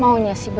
makanya sih meluah